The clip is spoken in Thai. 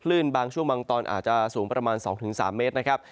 บางช่วงบางตอนอาจจะสูงประมาณ๒๓เมตรนะครับ